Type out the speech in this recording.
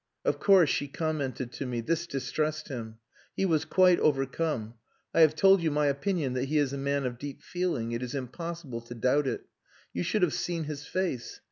"Of course," she commented to me, "this distressed him. He was quite overcome. I have told you my opinion that he is a man of deep feeling it is impossible to doubt it. You should have seen his face.